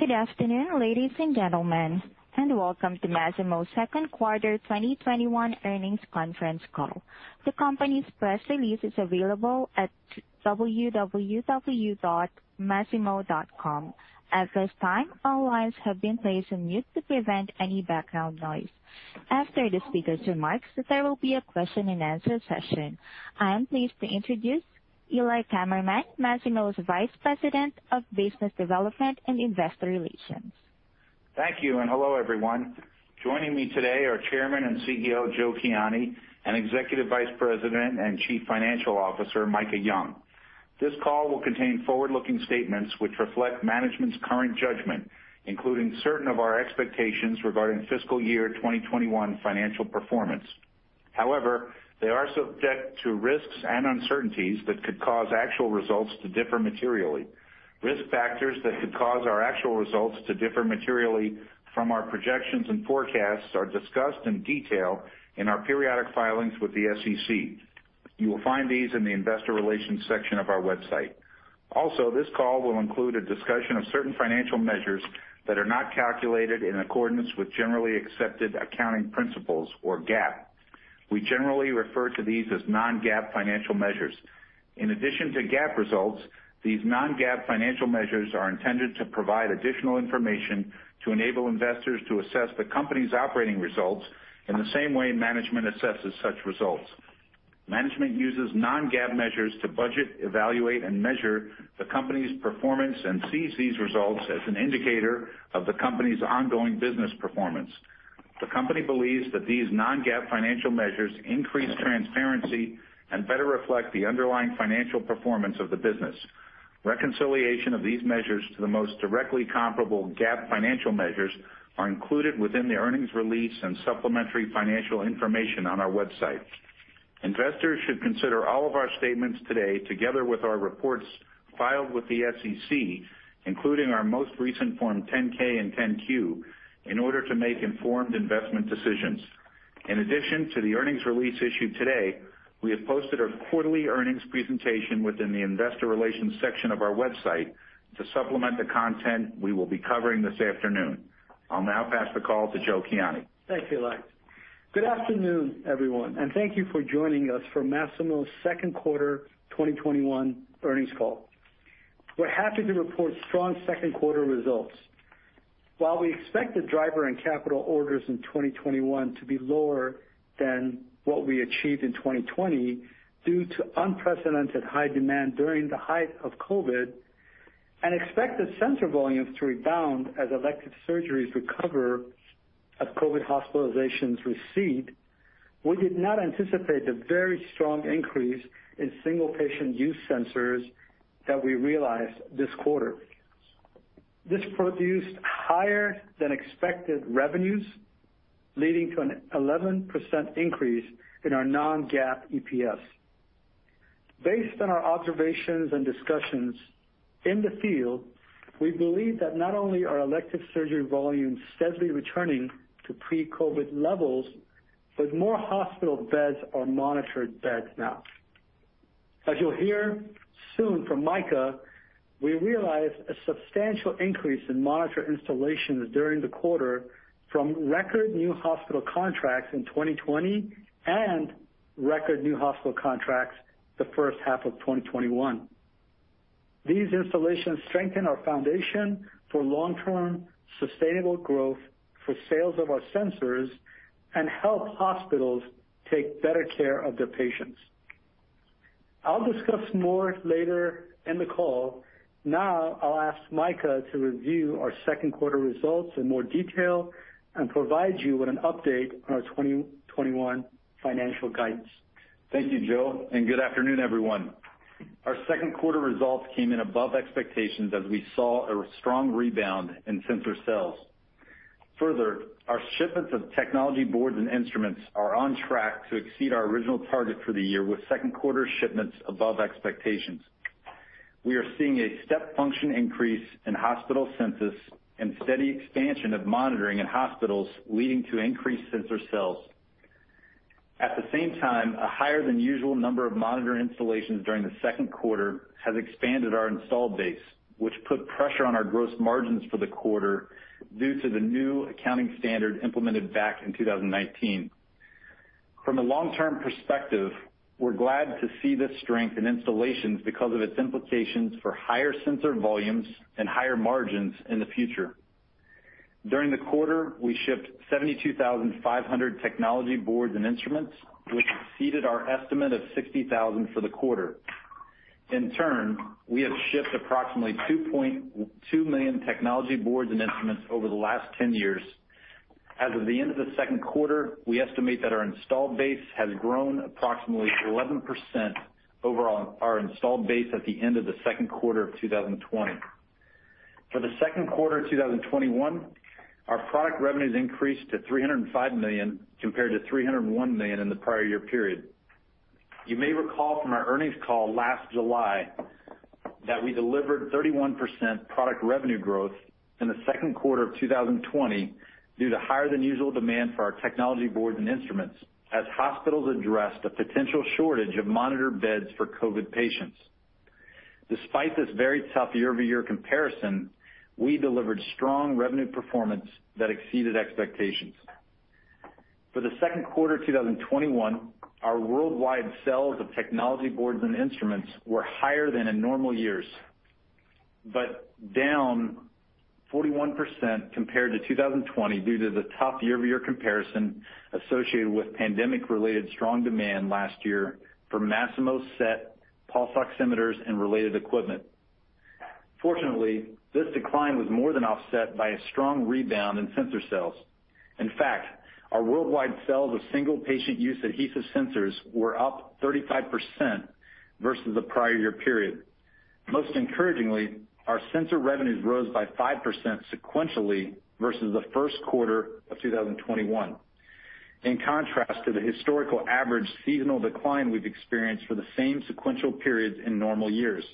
Good afternoon, ladies and gentlemen, and welcome to Masimo's second quarter 2021 earnings conference call. The company's press release is available at www.masimo.com. At this time, all lines have been placed on mute to prevent any background noise. After the speakers' remarks, there will be a question and answer session. I am pleased to introduce Eli Kammerman, Masimo's Vice President of Business Development and Investor Relations. Thank you, hello, everyone. Joining me today are Chairman and CEO, Joe Kiani, and Executive Vice President and Chief Financial Officer, Micah Young. This call will contain forward-looking statements which reflect management's current judgment, including certain of our expectations regarding fiscal year 2021 financial performance. However, they are subject to risks and uncertainties that could cause actual results to differ materially. Risk factors that could cause our actual results to differ materially from our projections and forecasts are discussed in detail in our periodic filings with the SEC. You will find these in the investor relations section of our website. Also, this call will include a discussion of certain financial measures that are not calculated in accordance with generally accepted accounting principles or GAAP. We generally refer to these as non-GAAP financial measures. In addition to GAAP results, these non-GAAP financial measures are intended to provide additional information to enable investors to assess the company's operating results in the same way management assesses such results. Management uses non-GAAP measures to budget, evaluate, and measure the company's performance and sees these results as an indicator of the company's ongoing business performance. The company believes that these non-GAAP financial measures increase transparency and better reflect the underlying financial performance of the business. Reconciliation of these measures to the most directly comparable GAAP financial measures are included within the earnings release and supplementary financial information on our website. Investors should consider all of our statements today, together with our reports filed with the SEC, including our most recent Form 10-K and 10-Q, in order to make informed investment decisions. In addition to the earnings release issued today, we have posted our quarterly earnings presentation within the investor relations section of our website to supplement the content we will be covering this afternoon. I'll now pass the call to Joe Kiani. Thank you, Eli. Good afternoon, everyone, and thank you for joining us for Masimo's second quarter 2021 earnings call. We're happy to report strong second quarter results. While we expect the driver and capital orders in 2021 to be lower than what we achieved in 2020, due to unprecedented high demand during the height of COVID, and expect the sensor volumes to rebound as elective surgeries recover as COVID hospitalizations recede, we did not anticipate the very strong increase in single patient use sensors that we realized this quarter. This produced higher than expected revenues, leading to an 11% increase in our non-GAAP EPS. Based on our observations and discussions in the field, we believe that not only are elective surgery volumes steadily returning to pre-COVID levels, but more hospital beds are monitored beds now. As you'll hear soon from Micah, we realized a substantial increase in monitor installations during the quarter from record new hospital contracts in 2020 and record new hospital contracts the first half of 2021. These installations strengthen our foundation for long-term, sustainable growth for sales of our sensors and help hospitals take better care of their patients. I'll discuss more later in the call. I'll ask Micah to review our second quarter results in more detail and provide you with an update on our 2021 financial guidance. Thank you, Joe, good afternoon, everyone. Our second quarter results came in above expectations as we saw a strong rebound in sensor sales. Further, our shipments of technology boards and instruments are on track to exceed our original target for the year with second quarter shipments above expectations. We are seeing a step function increase in hospital census and steady expansion of monitoring in hospitals leading to increased sensor sales. At the same time, a higher than usual number of monitor installations during the second quarter has expanded our installed base, which put pressure on our gross margins for the quarter due to the new accounting standard implemented back in 2019. From a long-term perspective, we're glad to see this strength in installations because of its implications for higher sensor volumes and higher margins in the future. During the quarter, we shipped 72,500 technology boards and instruments, which exceeded our estimate of 60,000 for the quarter. In turn, we have shipped approximately 2.2 million technology boards and instruments over the last 10 years. As of the end of the second quarter, we estimate that our installed base has grown approximately 11% over our installed base at the end of the second quarter of 2020. For the second quarter of 2021, our product revenues increased to $305 million compared to $301 million in the prior year period. You may recall from our earnings call last July that we delivered 31% product revenue growth In the second quarter of 2020, due to higher than usual demand for our technology boards and instruments, as hospitals addressed a potential shortage of monitored beds for COVID patients. Despite this very tough year-over-year comparison, we delivered strong revenue performance that exceeded expectations. For the second quarter 2021, our worldwide sales of technology boards and instruments were higher than in normal years, but down 41% compared to 2020 due to the tough year-over-year comparison associated with pandemic-related strong demand last year for Masimo SET pulse oximeters and related equipment. Fortunately, this decline was more than offset by a strong rebound in sensor sales. In fact, our worldwide sales of single patient use adhesive sensors were up 35% versus the prior year period. Most encouragingly, our sensor revenues rose by 5% sequentially versus the first quarter of 2021. In contrast to the historical average seasonal decline we've experienced for the same sequential periods in normal years.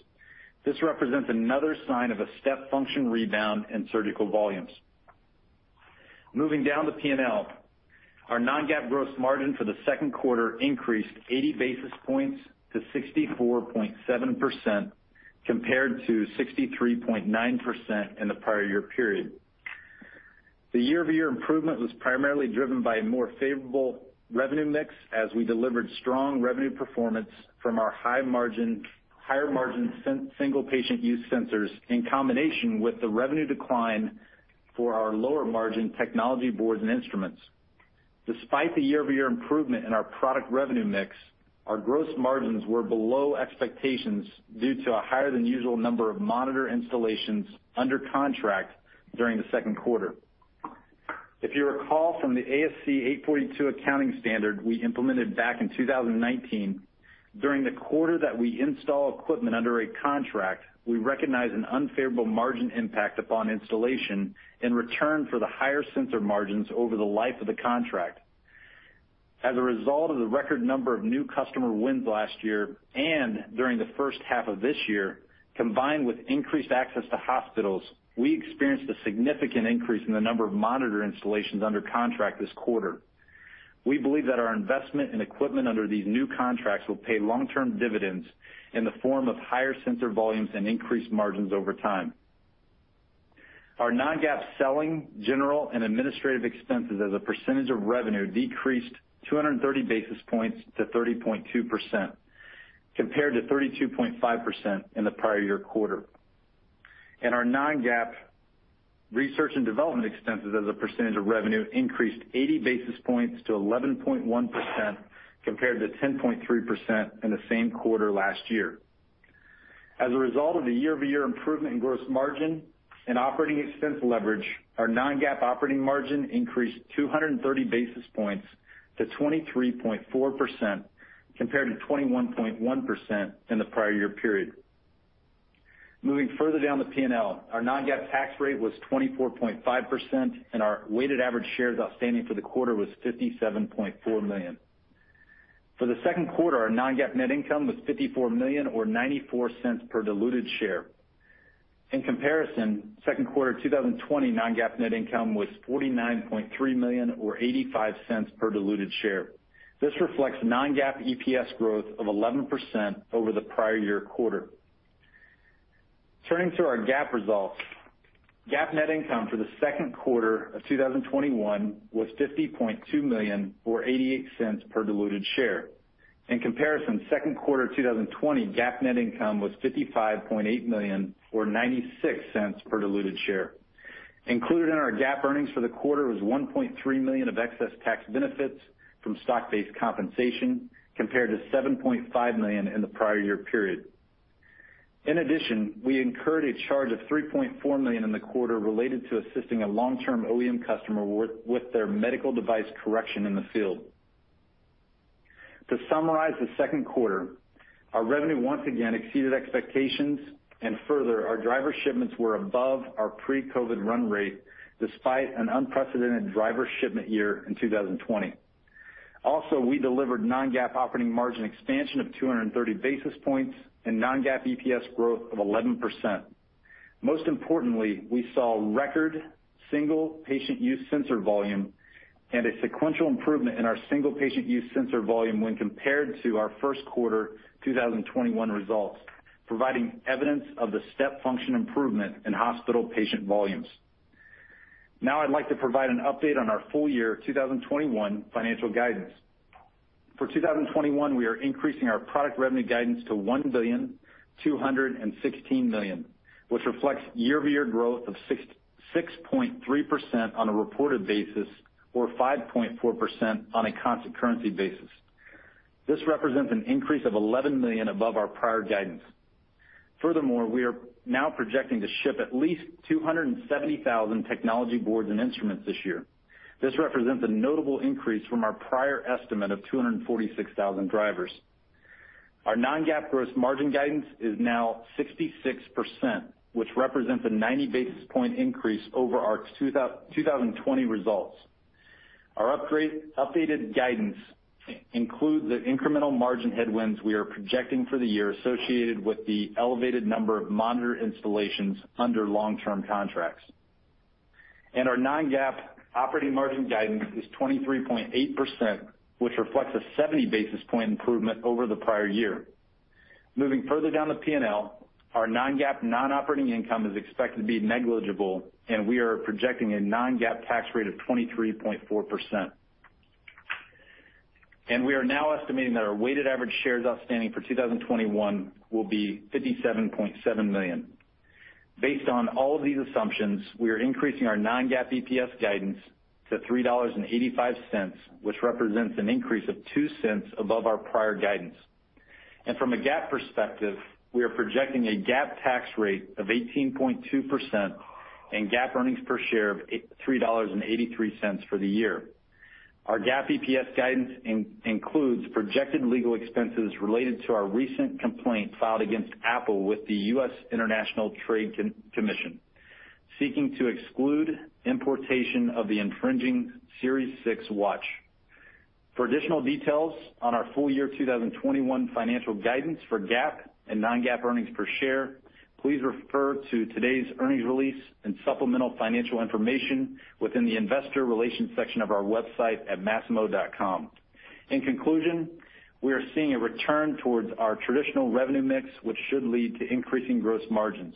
This represents another sign of a step function rebound in surgical volumes. Moving down the P&L, our non-GAAP gross margin for the second quarter increased 80 basis points to 64.7%, compared to 63.9% in the prior year period. The year-over-year improvement was primarily driven by a more favorable revenue mix as we delivered strong revenue performance from our higher margin single patient use sensors, in combination with the revenue decline for our lower margin technology boards and instruments. Despite the year-over-year improvement in our product revenue mix, our gross margins were below expectations due to a higher than usual number of monitor installations under contract during the second quarter. If you recall from the ASC 842 accounting standard we implemented back in 2019, during the quarter that we install equipment under a contract, we recognize an unfavorable margin impact upon installation in return for the higher sensor margins over the life of the contract. As a result of the record number of new customer wins last year and during the first half of this year, combined with increased access to hospitals, we experienced a significant increase in the number of monitor installations under contract this quarter. We believe that our investment in equipment under these new contracts will pay long-term dividends in the form of higher sensor volumes and increased margins over time. Our non-GAAP selling, general and administrative expenses as a percentage of revenue decreased 230 basis points to 30.2%, compared to 32.5% in the prior year quarter. Our non-GAAP research and development expenses as a percentage of revenue increased 80 basis points to 11.1%, compared to 10.3% in the same quarter last year. As a result of the year-over-year improvement in gross margin and operating expense leverage, our non-GAAP operating margin increased 230 basis points to 23.4%, compared to 21.1% in the prior year period. Moving further down the P&L, our non-GAAP tax rate was 24.5%, and our weighted average shares outstanding for the quarter was 57.4 million. For the second quarter, our non-GAAP net income was $54 million, or $0.94 per diluted share. In comparison, second quarter 2020 non-GAAP net income was $49.3 million, or $0.85 per diluted share. This reflects non-GAAP EPS growth of 11% over the prior year quarter. Turning to our GAAP results, GAAP net income for the second quarter of 2021 was $50.2 million or $0.88 per diluted share. In comparison, second quarter 2020 GAAP net income was $55.8 million or $0.96 per diluted share. Included in our GAAP earnings for the quarter was $1.3 million of excess tax benefits from stock-based compensation, compared to $7.5 million in the prior year period. In addition, we incurred a charge of $3.4 million in the quarter related to assisting a long-term OEM customer with their medical device correction in the field. To summarize the second quarter, our revenue once again exceeded expectations, and further, our driver shipments were above our pre-COVID run rate, despite an unprecedented driver shipment year in 2020. Also, we delivered non-GAAP operating margin expansion of 230 basis points and non-GAAP EPS growth of 11%. Most importantly, we saw record single patient use sensor volume and a sequential improvement in our single patient use sensor volume when compared to our first quarter 2021 results, providing evidence of the step function improvement in hospital patient volumes. Now I'd like to provide an update on our full year 2021 financial guidance. For 2021, we are increasing our product revenue guidance to $1,216,000,000, which reflects year-over-year growth of 6.3% on a reported basis or 5.4% on a constant currency basis. This represents an increase of $11 million above our prior guidance. Furthermore, we are now projecting to ship at least 270,000 technology boards and instruments this year. This represents a notable increase from our prior estimate of 246,000 drivers. Our non-GAAP gross margin guidance is now 66%, which represents a 90 basis point increase over our 2020 results. Our updated guidance includes the incremental margin headwinds we are projecting for the year associated with the elevated number of monitor installations under long-term contracts. Our non-GAAP operating margin guidance is 23.8%, which reflects a 70-basis-point improvement over the prior year. Moving further down the P&L, our non-GAAP non-operating income is expected to be negligible, and we are projecting a non-GAAP tax rate of 23.4%. We are now estimating that our weighted average shares outstanding for 2021 will be 57.7 million. Based on all of these assumptions, we are increasing our non-GAAP EPS guidance to $3.85, which represents an increase of $0.02 above our prior guidance. From a GAAP perspective, we are projecting a GAAP tax rate of 18.2% and GAAP earnings per share of $3.83 for the year. Our GAAP EPS guidance includes projected legal expenses related to our recent complaint filed against Apple with the U.S. International Trade Commission, seeking to exclude importation of the infringing Series 6 Watch. For additional details on our full-year 2021 financial guidance for GAAP and non-GAAP earnings per share, please refer to today's earnings release and supplemental financial information within the investor relations section of our website at masimo.com. In conclusion, we are seeing a return towards our traditional revenue mix, which should lead to increasing gross margins.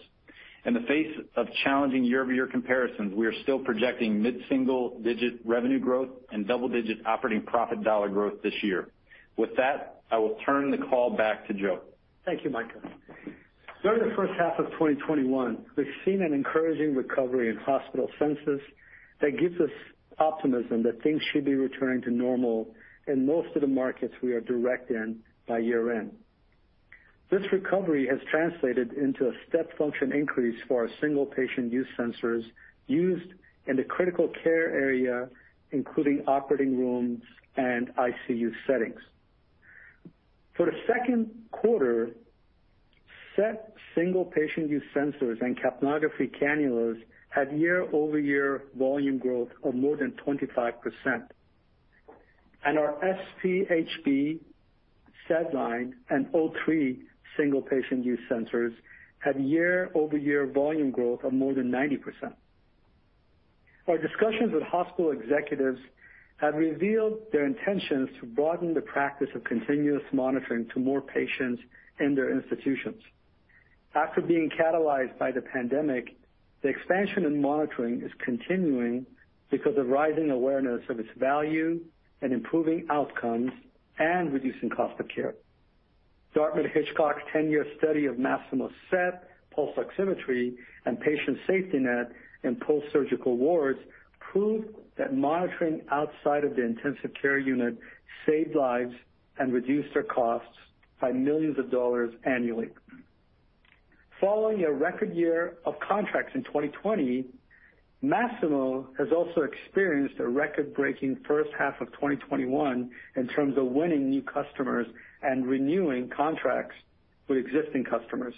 In the face of challenging year-over-year comparisons, we are still projecting mid-single-digit revenue growth and double-digit operating profit dollar growth this year. With that, I will turn the call back to Joe. Thank you, Micah. During the first half of 2021, we've seen an encouraging recovery in hospital census that gives us optimism that things should be returning to normal in most of the markets we are direct in by year-end. This recovery has translated into a step-function increase for our single patient use sensors used in the critical care area, including operating rooms and ICU settings. For the second quarter, SET single patient use sensors and capnography cannulas had year-over-year volume growth of more than 25%. Our SpHb SedLine and O3 single patient use sensors had year-over-year volume growth of more than 90%. Our discussions with hospital executives have revealed their intentions to broaden the practice of continuous monitoring to more patients in their institutions. After being catalyzed by the pandemic, the expansion in monitoring is continuing because of rising awareness of its value in improving outcomes and reducing cost of care. Dartmouth-Hitchcock's 10-year study of Masimo SET pulse oximetry and Patient SafetyNet in post-surgical wards proved that monitoring outside of the intensive care unit saved lives and reduced their costs by millions of dollars annually. Following a record year of contracts in 2020, Masimo has also experienced a record-breaking first half of 2021 in terms of winning new customers and renewing contracts with existing customers.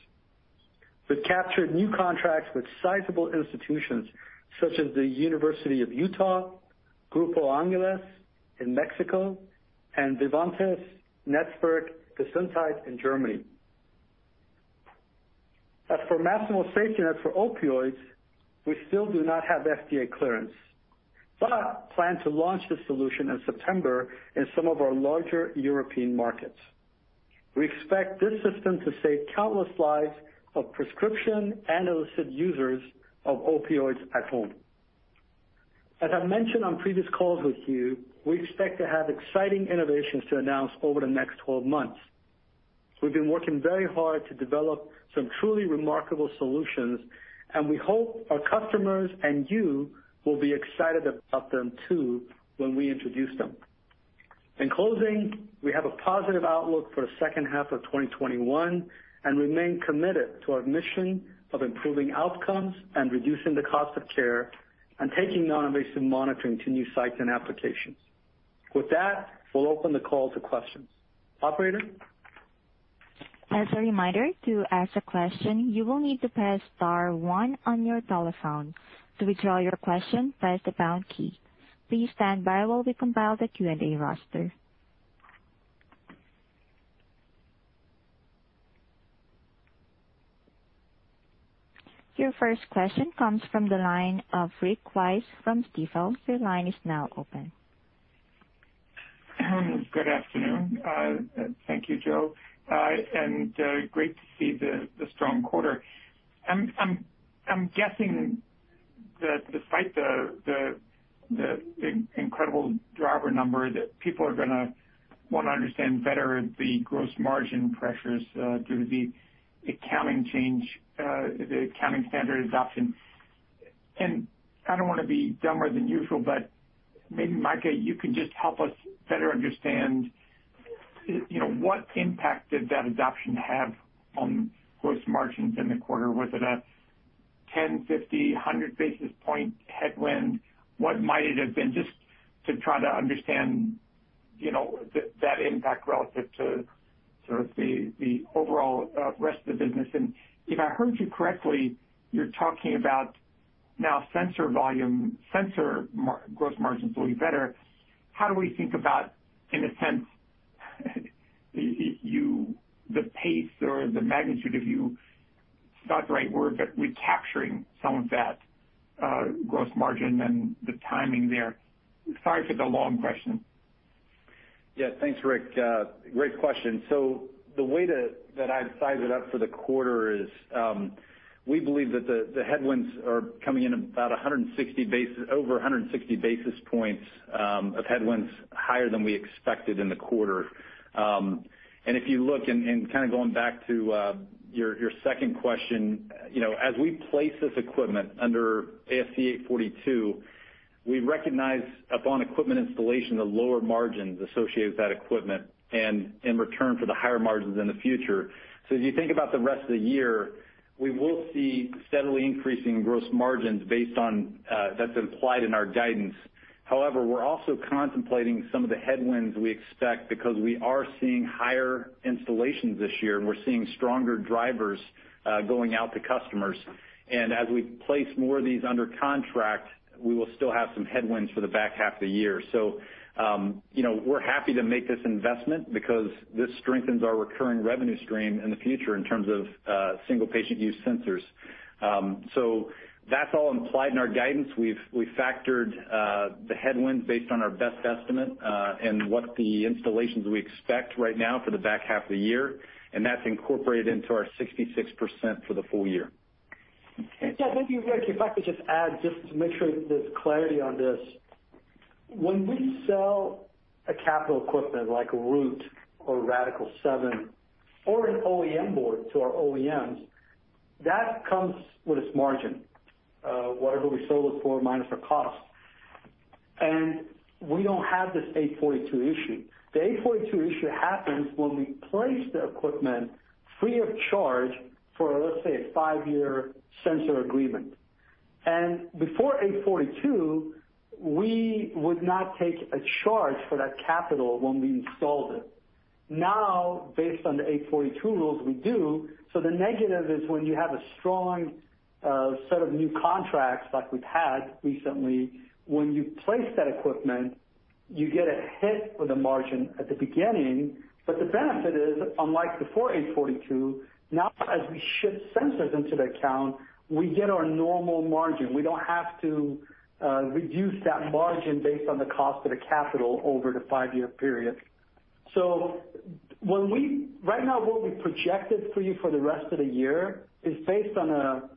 We've captured new contracts with sizable institutions such as the University of Utah, Grupo Ángeles in Mexico, and Vivantes – Netzwerk Gesundheit in Germany. As for Masimo SafetyNet for Opioids, we still do not have FDA clearance, but plan to launch the solution in September in some of our larger European markets. We expect this system to save countless lives of prescription and illicit users of Opioids at home. As I've mentioned on previous calls with you, we expect to have exciting innovations to announce over the next 12 months. We've been working very hard to develop some truly remarkable solutions, and we hope our customers and you will be excited about them too when we introduce them. In closing, we have a positive outlook for the second half of 2021 and remain committed to our mission of improving outcomes and reducing the cost of care and taking non-invasive monitoring to new sites and applications. With that, we'll open the call to questions. Operator. As a reminder, to ask a question, you will need to press star one on your telephone. To withdraw your question, press the pound key. Please stand by while we compile the Q&A roster. Your first question comes from the line of Rick Wise from Stifel. Your line is now open. Good afternoon. Thank you, Joe, and great to see the strong quarter. I'm guessing that despite the incredible driver number, that people are going to want to understand better the gross margin pressures due to the accounting standard adoption. I don't want to be dumber than usual, but maybe, Micah, you can just help us better understand what impact did that adoption have on gross margins in the quarter. Was it a 10, 50, 100 basis point headwind? What might it have been? Just to try to understand that impact relative to sort of the overall rest of the business. If I heard you correctly, you're talking about now sensor volume, sensor gross margins will be better. How do we think about, in a sense, the pace or the magnitude of recapturing some of that gross margin and the timing there? Sorry for the long question. Yeah. Thanks, Rick. Great question. The way that I'd size it up for the quarter is, we believe that the headwinds are coming in about over 160 basis points, of headwinds higher than we expected in the quarter. If you look and kind of going back to your second question, as we place this equipment under ASC 842, we recognize upon equipment installation, the lower margins associated with that equipment, and in return for the higher margins in the future. As you think about the rest of the year, we will see steadily increasing gross margins that's implied in our guidance. However, we're also contemplating some of the headwinds we expect because we are seeing higher installations this year, and we're seeing stronger drivers going out to customers. As we place more of these under contract, we will still have some headwinds for the back half of the year. We are happy to make this investment because this strengthens our recurring revenue stream in the future in terms of single-patient use sensors. That is all implied in our guidance. We have factored the headwinds based on our best estimate, and what the installations we expect right now for the back half of the year, and that is incorporated into our 66% for the full year. Thank you, Rick. If I could just add, just to make sure there's clarity on this. When we sell a capital equipment like a Root or a Radical-7 or an OEM board to our OEMs, that comes with its margin, whatever we sold it for minus our cost. We don't have this 842 issue. The 842 issue happens when we place the equipment free of charge for, let's say, a five-year sensor agreement. Before 842, we would not take a charge for that capital when we installed it. Now, based on the 842 rules, we do. The negative is when you have a strong set of new contracts like we've had recently, when you place that equipment, you get a hit for the margin at the beginning. The benefit is, unlike before ASC 842, now as we ship sensors into the account, we get our normal margin. We don't have to reduce that margin based on the cost of the capital over the five-year period. Right now, what we projected for you for the rest of the year is based on a,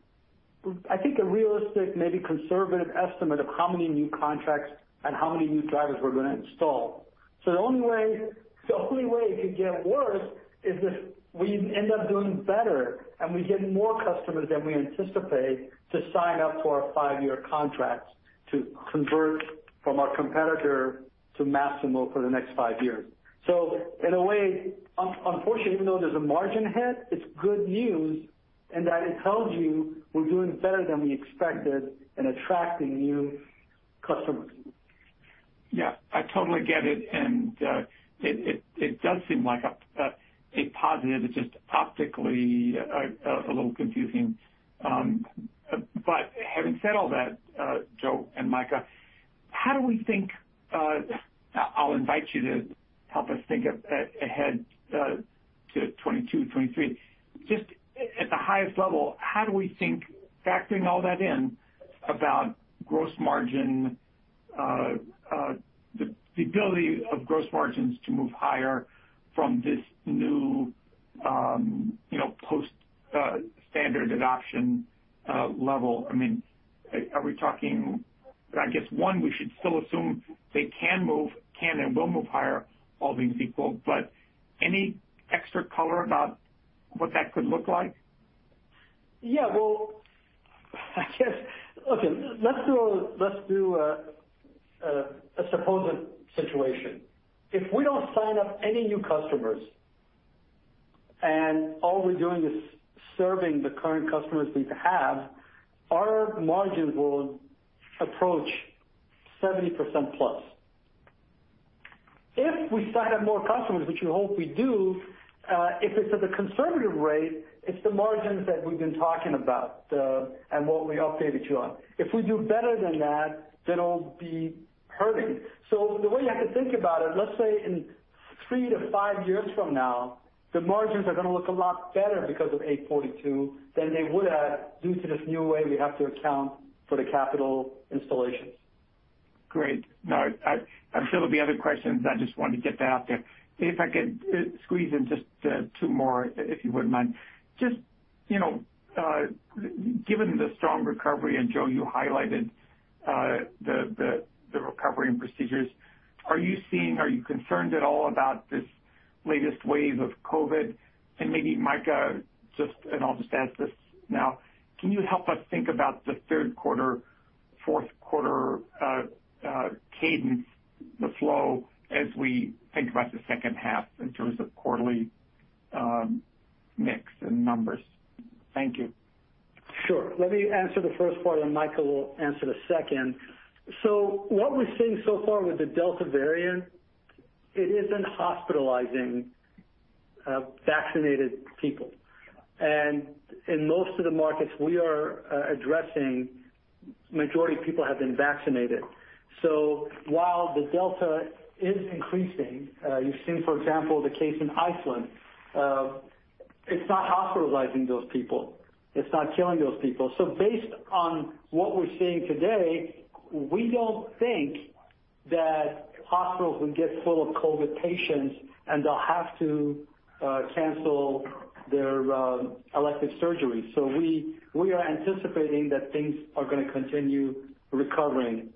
I think, a realistic, maybe conservative estimate of how many new contracts and how many new drivers we're going to install. The only way it could get worse is if we end up doing better, and we get more customers than we anticipate to sign up for our five-year contracts to convert from our competitor to Masimo for the next five years. In a way, unfortunately, even though there's a margin hit, it's good news in that it tells you we're doing better than we expected and attracting new customers. Yeah. I totally get it, and it does seem like a positive. It's just optically a little confusing. Having said all that, Joe and Micah, I'll invite you to help us think ahead to 2022, 2023. Just at the highest level, how do we think, factoring all that in about the ability of gross margins to move higher from this new post standard adoption level? Are we talking, I guess, one, we should still assume they can and will move higher, all things equal, but any extra color about what that could look like? Yeah. Well, I guess. Okay. Let's do a supposed situation. If we don't sign up any new customers, and all we're doing is serving the current customers we have, our margins will approach 70%+. If we sign up more customers, which we hope we do, if it's at the conservative rate, it's the margins that we've been talking about, and what we updated you on. If we do better than that, it'll be hurting. The way you have to think about it, let's say in three to five years from now, the margins are going to look a lot better because of 842 than they would have due to this new way we have to account for the capital installations. Great. I'm sure there'll be other questions. I just wanted to get that out there. If I could squeeze in just two more, if you wouldn't mind. Just given the strong recovery, Joe, you highlighted the recovery and procedures, are you concerned at all about this latest wave of COVID? Maybe Micah, I'll just ask this now, can you help us think about the third quarter, fourth quarter cadence, the flow as we think about the second half in terms of quarterly mix and numbers? Thank you. Sure. Let me answer the first part, and Michael will answer the second. What we're seeing so far with the Delta variant, it isn't hospitalizing vaccinated people. In most of the markets we are addressing, majority of people have been vaccinated. While the Delta is increasing, you've seen, for example, the case in Iceland, it's not hospitalizing those people. It's not killing those people. Based on what we're seeing today, we don't think that hospitals will get full of COVID patients, and they'll have to cancel their elective surgeries. We are anticipating that things are going to continue recovering.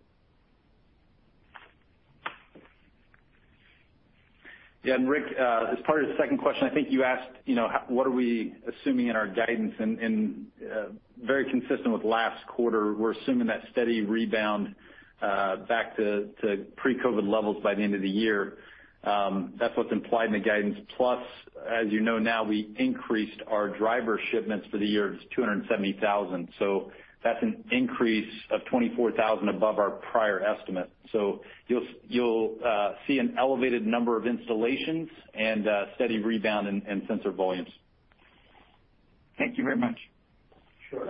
Rick, as part of the second question, I think you asked, what are we assuming in our guidance? Very consistent with last quarter, we're assuming that steady rebound back to pre-COVID levels by the end of the year. That's what's implied in the guidance. As you know now, we increased our driver shipments for the year to 270,000. That's an increase of 24,000 above our prior estimate. You'll see an elevated number of installations and steady rebound in sensor volumes. Thank you very much. Sure.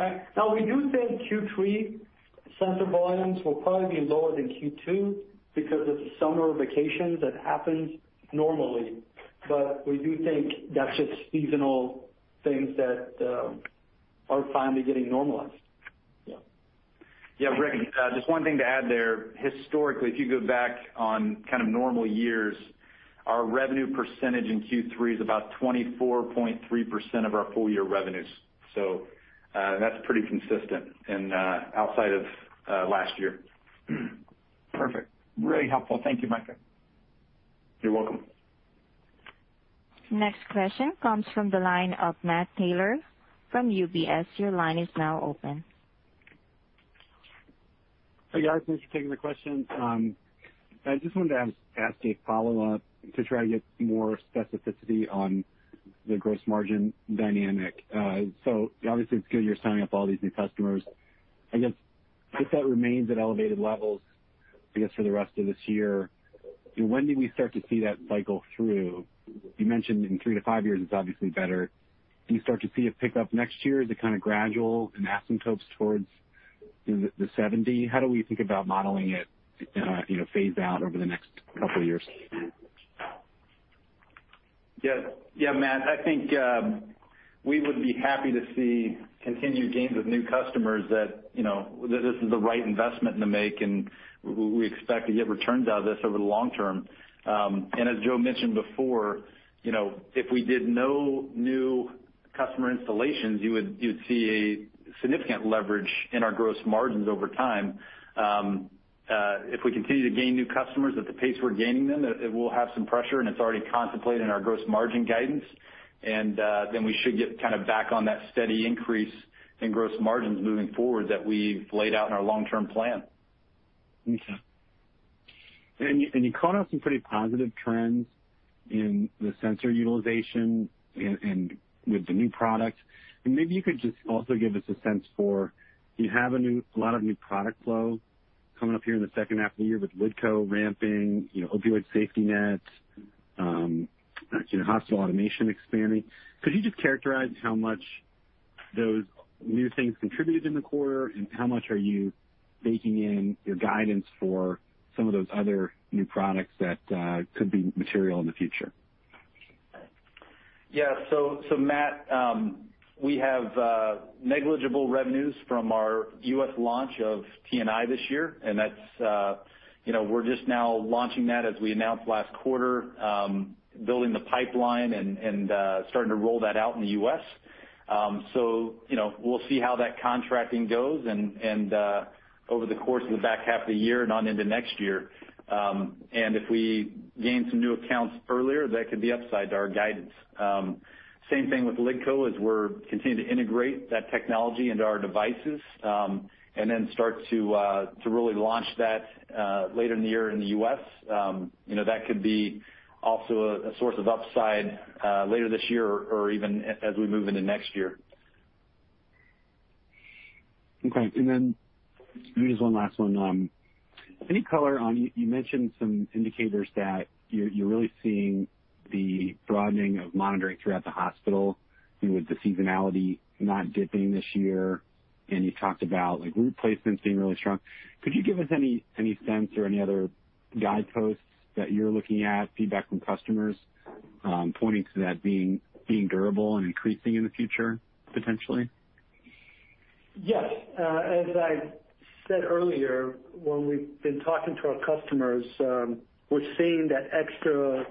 We do think Q3 sensor volumes will probably be lower than Q2 because of the summer vacations that happens normally. We do think that's just seasonal things that are finally getting normalized. Yeah, Rick, just one thing to add there. Historically, if you go back on kind of normal years, our revenue percentage in Q3 is about 24.3% of our full year revenues. That's pretty consistent and outside of last year. Perfect. Really helpful. Thank you, Michael. You're welcome. Next question comes from the line of Matt Taylor from UBS. Your line is now open. Hey, guys. Thanks for taking the question. I just wanted to ask a follow-up to try to get more specificity on the gross margin dynamic. Obviously, it's good you're signing up all these new customers. I guess, if that remains at elevated levels, I guess, for the rest of this year, when do we start to see that cycle through? You mentioned in three to five years it's obviously better. Do you start to see it pick up next year? Is it kind of gradual and asymptotes towards the 70%? How do we think about modeling it phase out over the next couple of years? Yeah, Matt, I think, we would be happy to see continued gains of new customers that this is the right investment to make, and we expect to get returns out of this over the long term. As Joe mentioned before, if we did no new customer installations, you'd see a significant leverage in our gross margins over time. If we continue to gain new customers at the pace we're gaining them, it will have some pressure, and it's already contemplated in our gross margin guidance. We should get kind of back on that steady increase in gross margins moving forward that we've laid out in our long-term plan. Okay. You called out some pretty positive trends in the sensor utilization and with the new product. Maybe you could just also give us a sense for, you have a lot of new product flow coming up here in the second half of the year with LiDCO ramping, Opioid SafetyNet, Hospital Automation expanding. Could you just characterize how much those new things contributed in the quarter, and how much are you baking in your guidance for some of those other new products that could be material in the future? Yeah. Matt, we have negligible revenues from our U.S. launch of TNI this year, and we're just now launching that as we announced last quarter, building the pipeline and starting to roll that out in the U.S. We'll see how that contracting goes and over the course of the back half of the year and on into next year. If we gain some new accounts earlier, that could be upside to our guidance. Same thing with LiDCO as we're continuing to integrate that technology into our devices, and then start to really launch that later in the year in the U.S. That could be also a source of upside later this year or even as we move into next year. Okay, here's one last one. Any color on, you mentioned some indicators that you're really seeing the broadening of monitoring throughout the hospital with the seasonality not dipping this year, and you talked about like Root placements being really strong. Could you give us any sense or any other guideposts that you're looking at, feedback from customers, pointing to that being durable and increasing in the future potentially? Yes. As I said earlier, when we've been talking to our customers, we're seeing that extra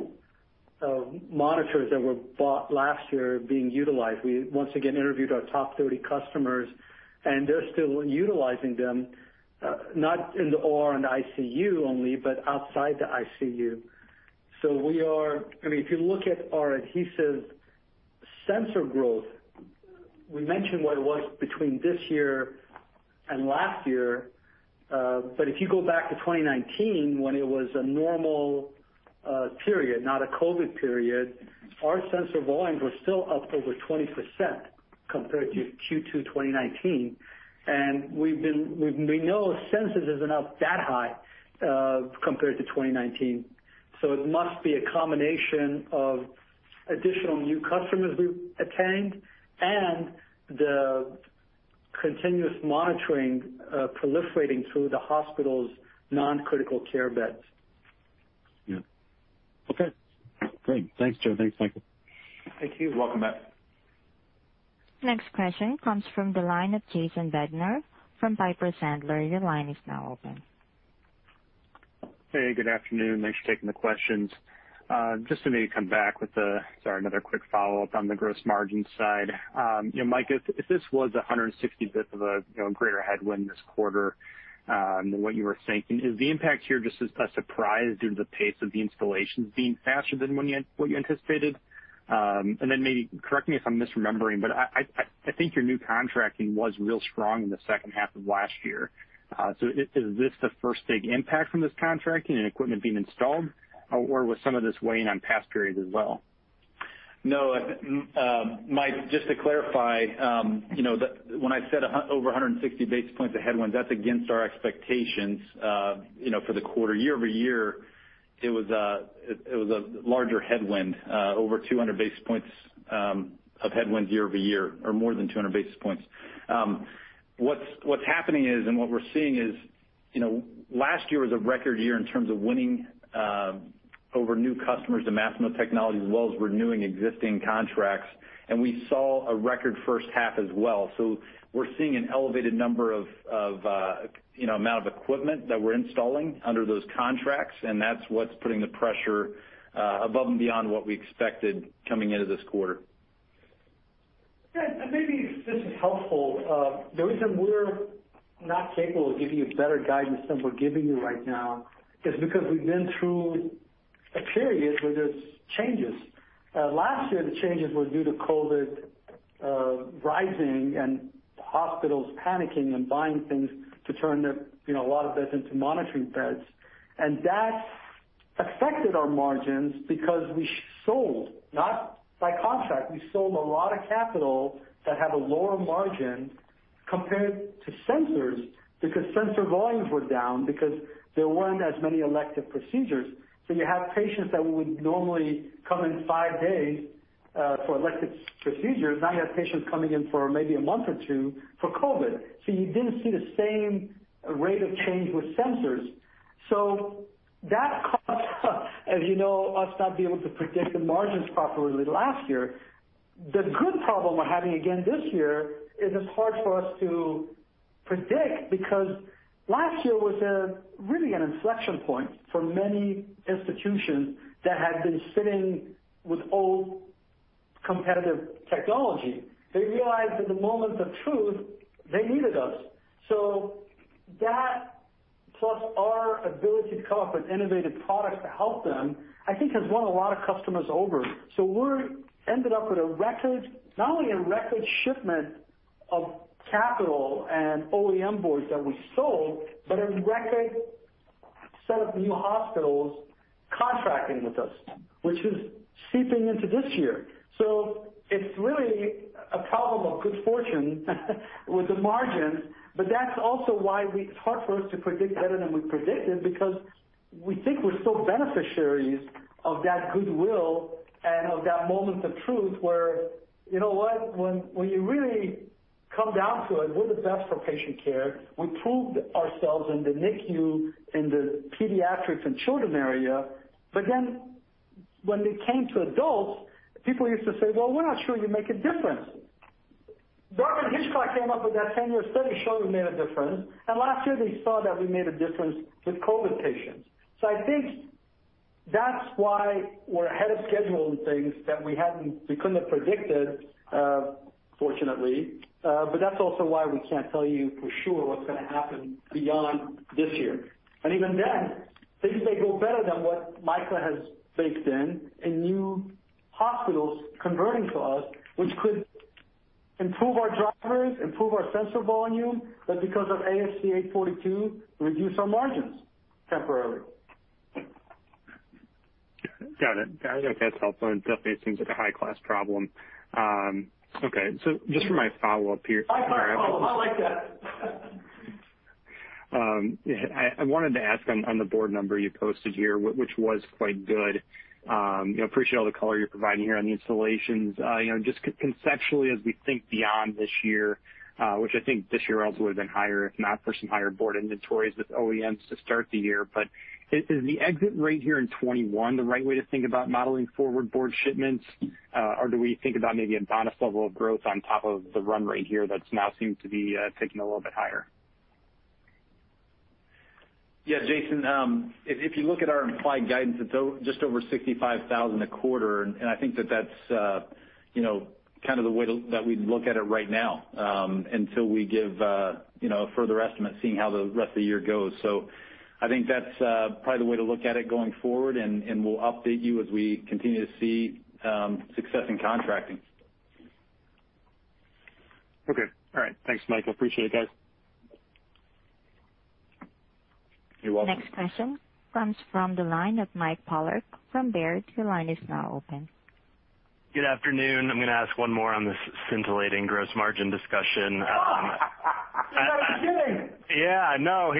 monitors that were bought last year are being utilized. We once again interviewed our top 30 customers. They're still utilizing them, not in the OR and ICU only, but outside the ICU. I mean, if you look at our adhesive sensor growth, we mentioned what it was between this year and last year. If you go back to 2019, when it was a normal period, not a COVID period, our sensor volumes were still up over 20% compared to Q2 2019. We know sensors isn't up that high, compared to 2019. It must be a combination of additional new customers we've attained and the continuous monitoring proliferating through the hospital's non-critical care beds. Yeah. Okay, great. Thanks, Joe. Thanks, Michael. Thank you. You're welcome, Matt. Next question comes from the line of Jason Bednar from Piper Sandler. Your line is now open. Hey, good afternoon. Thanks for taking the questions. Just to maybe come back with another quick follow-up on the gross margin side. Mike, if this was 160 basis points of a greater headwind this quarter, than what you were thinking, is the impact here just a surprise due to the pace of the installations being faster than what you anticipated? Maybe correct me if I'm misremembering, but I think your new contracting was real strong in the second half of last year. Is this the first big impact from this contracting and equipment being installed, or was some of this weighing on past periods as well? No, Mike, just to clarify, when I said over 160 basis points of headwinds, that's against our expectations for the quarter. Year-over-year, it was a larger headwind, over 200 basis points of headwinds year-over-year, or more than 200 basis points. What's happening is, and what we're seeing is, last year was a record year in terms of winning over new customers of Masimo technology, as well as renewing existing contracts, and we saw a record first half as well. We're seeing an elevated number of amount of equipment that we're installing under those contracts, and that's what's putting the pressure above and beyond what we expected coming into this quarter. Yeah, maybe this is helpful. The reason we're not capable of giving you better guidance than we're giving you right now is because we've been through a period where there's changes. Last year, the changes were due to COVID rising and hospitals panicking and buying things to turn a lot of beds into monitoring beds. That affected our margins because we sold, not by contract, we sold a lot of capital that had a lower margin compared to sensors because sensor volumes were down, because there weren't as many elective procedures. You had patients that would normally come in five days for elective procedures, now you have patients coming in for maybe one month or two for COVID. You didn't see the same rate of change with sensors. That caused as you know, us not being able to predict the margins properly last year. The good problem we're having again this year is it's hard for us to predict, because last year was really an inflection point for many institutions that had been sitting with old competitive technology. They realized at the moment of truth they needed us. That, plus our ability to come up with innovative products to help them, I think has won a lot of customers over. We ended up with not only a record shipment of capital and OEM boards that we sold, but a record set of new hospitals contracting with us, which is seeping into this year. It's really a problem of good fortune with the margins, but that's also why it's hard for us to predict better than we predicted, because we think we're still beneficiaries of that goodwill and of that moment of truth where, you know what. When you really come down to it, we're the best for patient care. We proved ourselves in the NICU, in the pediatrics and children area. When it came to adults, people used to say, "Well, we're not sure you make a difference." Dartmouth-Hitchcock came up with that 10-year study showing we made a difference, and last year they saw that we made a difference with COVID patients. I think that's why we're ahead of schedule on things that we couldn't have predicted, fortunately. That's also why we can't tell you for sure what's going to happen beyond this year. And even then, things may go better than what Michael has baked in new hospitals converting to us, which could improve our drivers, improve our sensor volume, but because of ASC 842, reduce our margins temporarily. Got it. Okay. That's helpful. It definitely seems like a high-class problem. Just for my follow-up here. High-class problem. I like that. I wanted to ask on the board number you posted here, which was quite good. I appreciate all the color you're providing here on the installations. Just conceptually as we think beyond this year, which I think this year also would've been higher if not for some higher board inventories with OEMs to start the year. Is the exit rate here in 2021 the right way to think about modeling forward board shipments? Do we think about maybe a bonus level of growth on top of the run rate here that now seems to be ticking a little bit higher? Yeah, Jason, if you look at our implied guidance, it's just over $65,000 a quarter, I think that's kind of the way that we'd look at it right now, until we give a further estimate, seeing how the rest of the year goes. I think that's probably the way to look at it going forward, and we'll update you as we continue to see success in contracting. Okay. All right. Thanks, Mike. Appreciate it, guys. You're welcome. Next question comes from the line of Mike Polark from Baird. Good afternoon. I'm going to ask one more on this scintillating gross margin discussion. You're not kidding. Yeah, I know.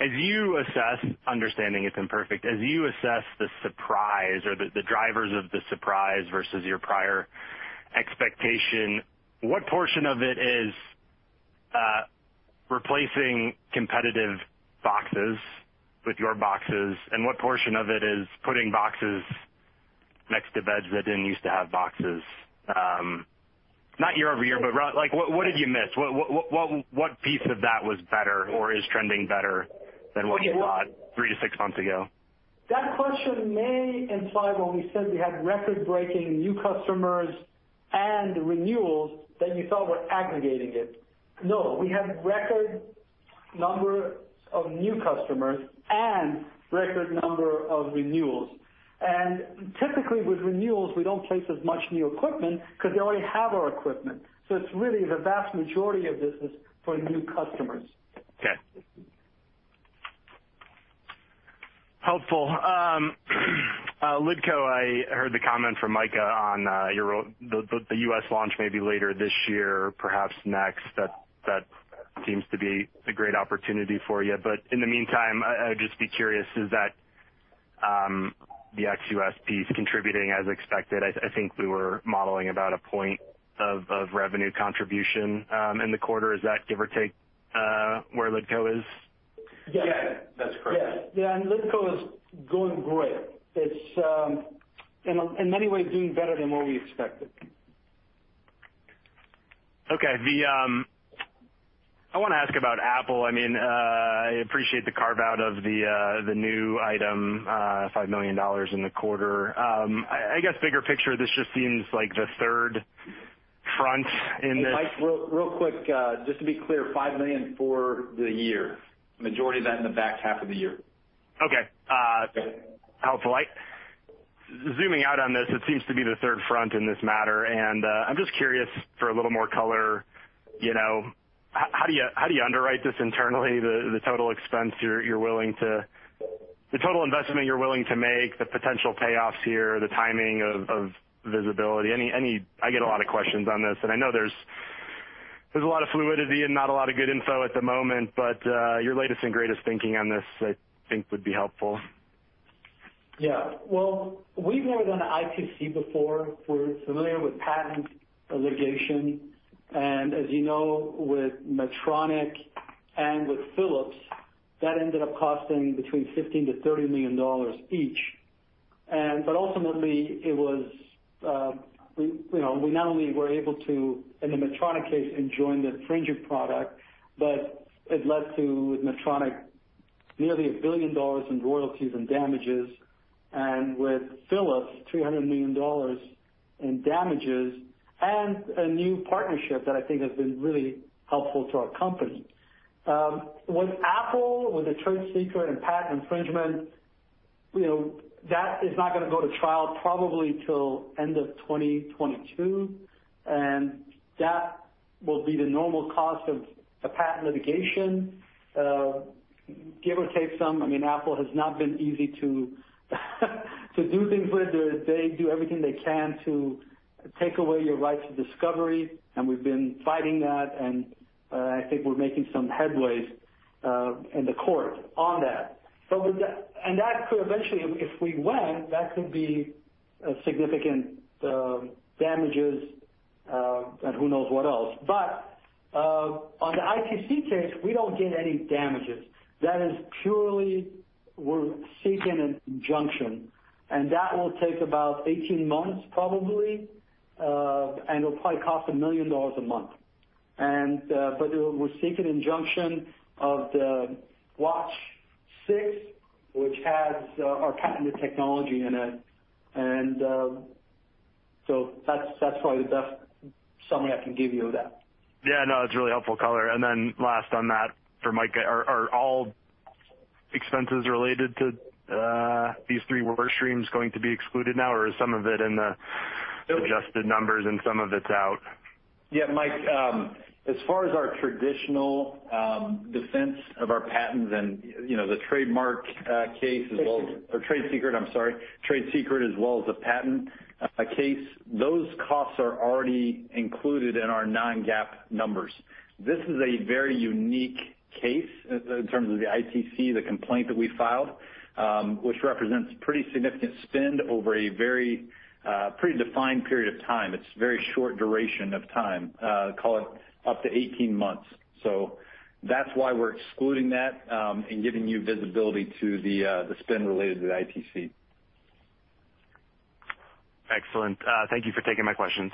As you assess, understanding it's imperfect, as you assess the surprise or the drivers of the surprise versus your prior expectation, what portion of it is replacing competitive boxes with your boxes, and what portion of it is putting boxes next to beds that didn't used to have boxes? Not year-over-year, what did you miss? What piece of that was better or is trending better than what you thought three to six months ago? That question may imply when we said we had record-breaking new customers and renewals that you thought were aggregating it. No, we had record numbers of new customers and record numbers of renewals. Typically with renewals, we don't place as much new equipment because they already have our equipment. It's really the vast majority of this is for new customers. Okay. Helpful. LiDCO, I heard the comment from Micah on the U.S. launch maybe later this year or perhaps next. That seems to be a great opportunity for you. In the meantime, I'd just be curious, is that the ex-U.S. piece contributing as expected? I think we were modeling about a point of revenue contribution in the quarter. Is that give or take where LiDCO is? Yes, that's correct. Yeah. LiDCO is going great. It's in many ways doing better than what we expected. Okay. I want to ask about Apple. I appreciate the carve out of the new item, $5 million in the quarter. I guess bigger picture, this just seems like the third front in this. Mike, real quick, just to be clear, $5 million for the year. Majority of that in the back half of the year. Okay. Helpful. Zooming out on this, it seems to be the third front in this matter, and I'm just curious for a little more color. How do you underwrite this internally, the total investment you're willing to make, the potential payoffs here, the timing of visibility? I get a lot of questions on this, and I know there's a lot of fluidity and not a lot of good info at the moment, but your latest and greatest thinking on this, I think, would be helpful. Well, we've more than ITC'd before. We're familiar with patent litigation, and as you know, with Medtronic and with Philips, that ended up costing between $15 million-$30 million each. Ultimately, we not only were able to, in the Medtronic case, enjoin the infringing product, but it led to Medtronic nearly $1 billion in royalties and damages, and with Philips, $300 million in damages and a new partnership that I think has been really helpful to our company. With Apple, with the trade secret and patent infringement, that is not going to go to trial probably till end of 2022. That will be the normal cost of a patent litigation. Give or take some, Apple has not been easy to do things with. They do everything they can to take away your rights of discovery, and we've been fighting that, and I think we're making some headways in the court on that. That could eventually, if we win, that could be significant damages, and who knows what else. On the ITC case, we don't get any damages. That is purely. We're seeking an injunction. That will take about 18 months probably, and it'll probably cost $1 million a month. We're seeking injunction of the Watch 6, which has our patented technology in it. That's probably the best summary I can give you of that. Yeah, no, it's a really helpful color. Last on that for Micah, are all expenses related to these three work streams going to be excluded now, or is some of it in the adjusted numbers and some of it's out? Yeah, Mike, as far as our traditional defense of our patents and the trade secret, I'm sorry, trade secret as well as a patent case, those costs are already included in our non-GAAP numbers. This is a very unique case in terms of the ITC, the complaint that we filed, which represents pretty significant spend over a very pretty defined period of time. It's a very short duration of time, call it up to 18 months. That's why we're excluding that and giving you visibility to the spend related to the ITC. Excellent. Thank you for taking my questions.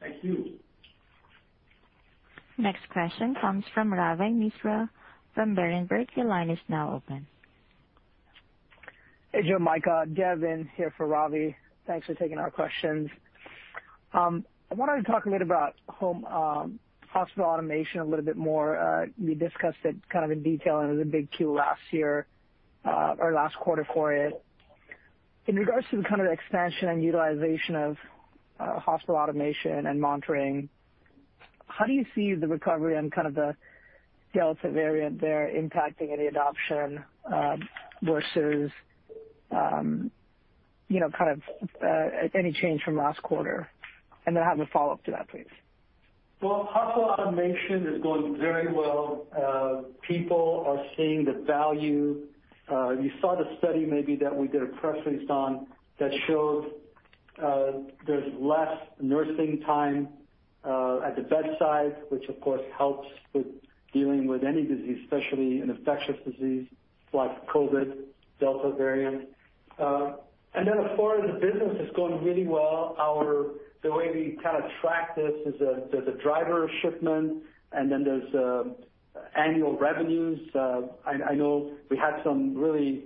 Thank you. Next question comes from Ravi Misra from Berenberg. Your line is now open. Hey, Joe, Micah. Devin here for Ravi. Thanks for taking our questions. I wanted to talk a bit about home Hospital Automation a little bit more. You discussed it in detail. It was a big Q last year, or last quarter for it. In regards to the kind of expansion and utilization of Hospital Automation and monitoring, how do you see the recovery and kind of the Delta variant there impacting any adoption versus any change from last quarter? I have a follow-up to that, please. Well, Hospital Automation is going very well. People are seeing the value. You saw the study maybe that we did a press release on that showed there's less nursing time at the bedside, which of course helps with dealing with any disease, especially an infectious disease like COVID, Delta variant. Then as far as the business, it's going really well. The way we kind of track this is there's a driver shipment and then there's annual revenues. I know we had some really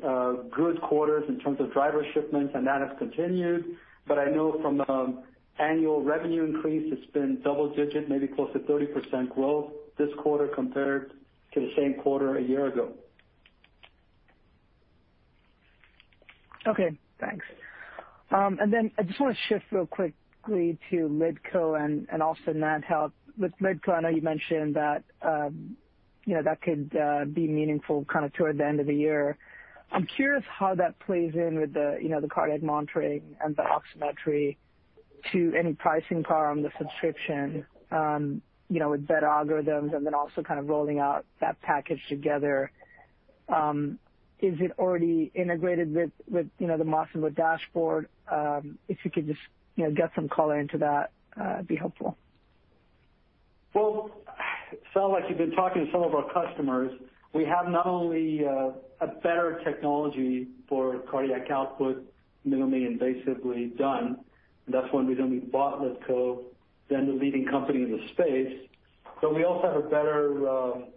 good quarters in terms of driver shipments, and that has continued, but I know from annual revenue increase, it's been double-digit, maybe close to 30% growth this quarter compared to the same quarter a year ago. Okay, thanks. I just want to shift real quickly to LiDCO and also NantHealth. With LiDCO, I know you mentioned that could be meaningful kind of toward the end of the year. I'm curious how that plays in with the cardiac monitoring and the oximetry to any pricing power on the subscription with better algorithms and then also kind of rolling out that package together. Is it already integrated with the Masimo dashboard? If you could just get some color into that, it'd be helpful. Well, it sounds like you've been talking to some of our customers. We have not only a better technology for cardiac output minimally invasively done, and that's one reason we bought LiDCO, then the leading company in the space. We also have a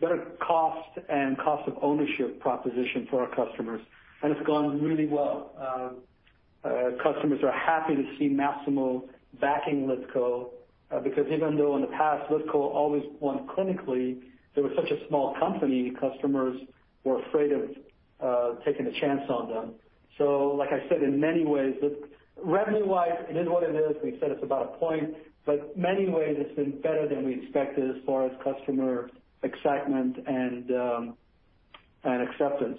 better cost and cost of ownership proposition for our customers, and it's gone really well. Customers are happy to see Masimo backing LiDCO because even though in the past, LiDCO always won clinically, they were such a small company, customers were afraid of taking a chance on them. Like I said, in many ways, revenue-wise, it is what it is. We said it's about a point, but in many ways, it's been better than we expected as far as customer excitement and acceptance.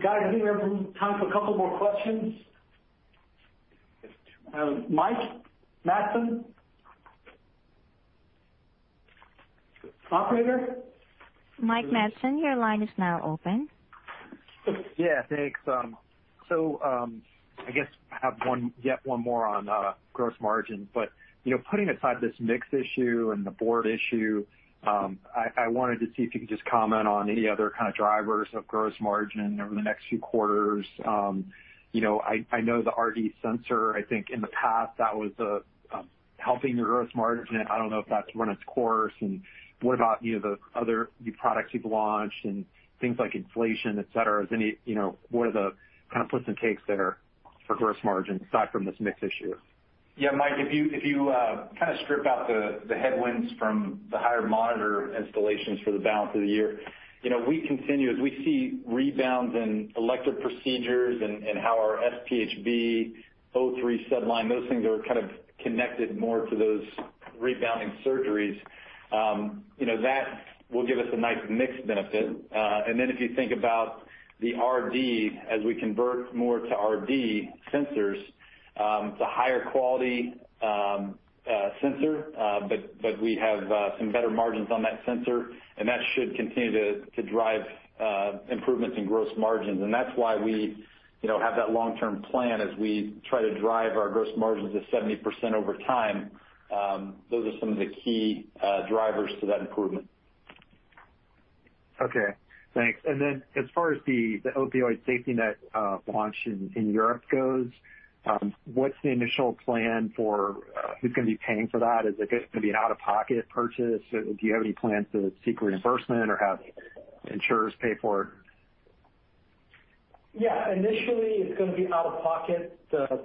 Guys, I think we have time for couple more questions. Mike Matson. Operator? Mike Matson, your line is now open. Yeah, thanks. I guess I have yet one more on gross margin. Putting aside this mix issue and the board issue, I wanted to see if you could just comment on any other kind of drivers of gross margin over the next few quarters. I know the RD sensor, I think in the past that was helping the gross margin. I don't know if that's run its course. What about the other new products you've launched and things like inflation, et cetera? What are the kind of puts and takes there for gross margins aside from this mix issue? Mike, if you kind of strip out the headwinds from the higher monitor installations for the balance of the year, we continue as we see rebounds in elective procedures and how our SpHb, O3 SedLine, those things are kind of connected more to those rebounding surgeries. That will give us a nice mix benefit. If you think about the RD, as we convert more to RD sensors, it's a higher quality sensor, but we have some better margins on that sensor, and that should continue to drive improvements in gross margins. That's why we have that long-term plan as we try to drive our gross margins to 70% over time. Those are some of the key drivers to that improvement. Okay, thanks. As far as the Opioid SafetyNet launch in Europe goes, what's the initial plan for who's going to be paying for that? Is it going to be an out-of-pocket purchase? Do you have any plans to seek reimbursement or have insurers pay for it? Yeah. Initially, it's going to be out-of-pocket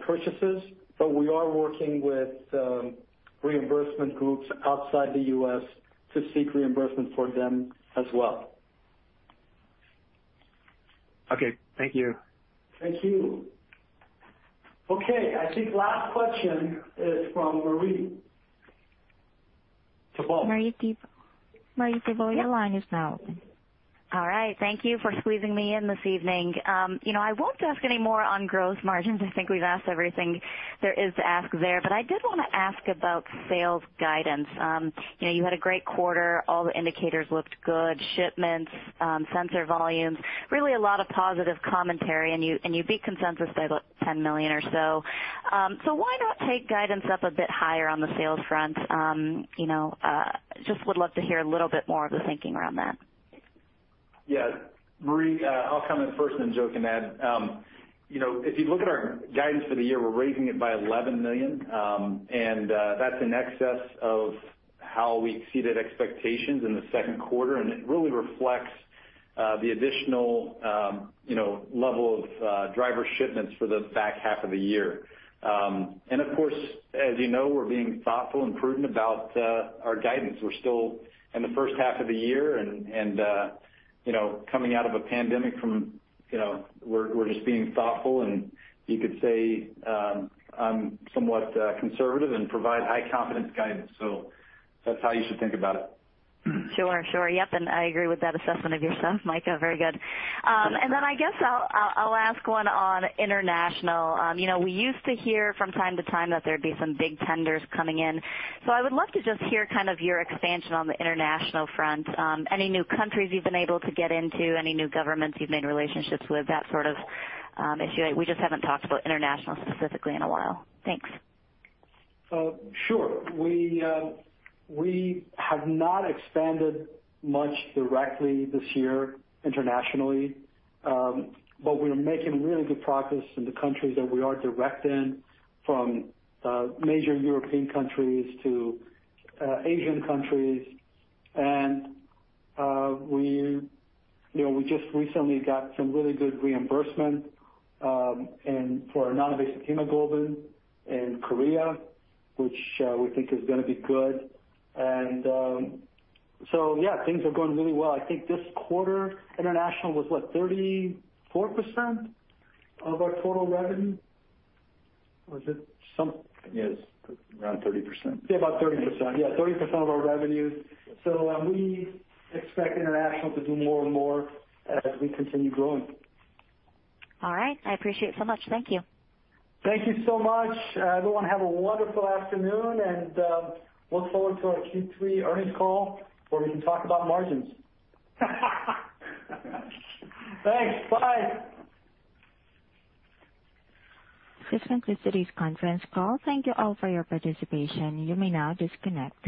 purchases, but we are working with reimbursement groups outside the U.S. to seek reimbursement for them as well. Okay. Thank you. Thank you. Okay. I think last question is from Marie Thibault. Marie Thibault, your line is now open. All right. Thank you for squeezing me in this evening. I won't ask any more on gross margins. I think we've asked everything there is to ask there, but I did want to ask about sales guidance. You had a great quarter. All the indicators looked good. Shipments, sensor volumes, really a lot of positive commentary, and you beat consensus by about $10 million or so. Why not take guidance up a bit higher on the sales front? Just would love to hear a little bit more of the thinking around that. Yeah. Marie, I'll comment first, and then Joe can add. If you look at our guidance for the year, we're raising it by $11 million, and that's in excess of how we exceeded expectations in the second quarter. It really reflects. The additional level of driver shipments for the back half of the year. Of course, as you know, we're being thoughtful and prudent about our guidance. We're still in the first half of the year and coming out of a pandemic, we're just being thoughtful and you could say, somewhat conservative and provide high confidence guidance. That's how you should think about it. Sure. Yep. I agree with that assessment of yourself, Mike. Very good. I guess I'll ask one on international. We used to hear from time to time that there'd be some big tenders coming in. I would love to just hear your expansion on the international front. Any new countries you've been able to get into, any new governments you've made relationships with? That sort of issue. We just haven't talked about international specifically in a while. Thanks. Sure. We have not expanded much directly this year internationally. We are making really good progress in the countries that we are direct in, from major European countries to Asian countries. We just recently got some really good reimbursement for our non-invasive hemoglobin in Korea, which we think is going to be good. Yeah, things are going really well. I think this quarter international was, what, 34% of our total revenue? Is it Yes, around 30%. Yeah, about 30%. Yeah, 30% of our revenues. We expect international to do more and more as we continue growing. All right. I appreciate it so much. Thank you. Thank you so much. Everyone have a wonderful afternoon and look forward to our Q3 earnings call where we can talk about margins. Thanks. Bye This concludes today's conference call. Thank you all for your participation. You may now disconnect.